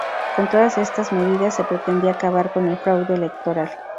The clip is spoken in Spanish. Con todas estas medidas se pretendía acabar con el fraude electoral.